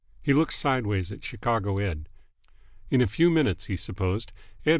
He looked sideways at Chicago Ed. In a few minutes, he supposed, Ed.